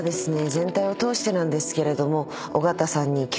全体を通してなんですけれども。